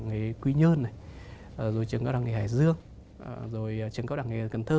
đảng nghề quy nhơn trường cao đẳng nghề hải dương trường cao đẳng nghề cần thơ